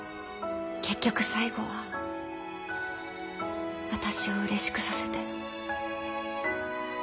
結局最後は私をうれしくさせて。